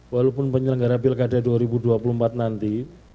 walaupun penyelenggara pilkada dua ribu dua puluh empat nanti